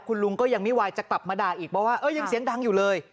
คุณลุงก็ยังไม่วายจะกลับมาด่าอีกบอกว่ายังเสียงดังอยู่เลย